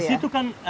di situ kan